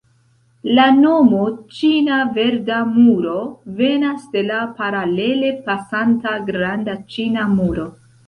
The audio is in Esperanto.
La nomo Ĉina Verda Muro venas de la paralele pasanta Granda Ĉina Muro.